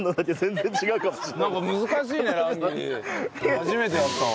初めてやったわ。